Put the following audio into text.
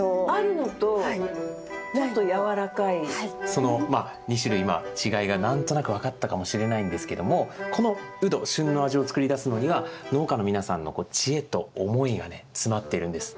その２種類今違いが何となく分かったかもしれないんですけどもこのウド旬の味を作り出すのには農家の皆さんの知恵と思いがね詰まっているんです。